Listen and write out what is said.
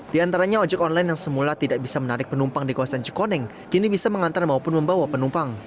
di antaranya ojek online yang semula tidak bisa menarik penumpang di kawasan cikoneng kini bisa mengantar maupun membawa penumpang